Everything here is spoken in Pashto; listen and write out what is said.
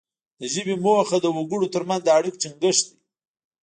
د ژبې موخه د وګړو ترمنځ د اړیکو ټینګښت دی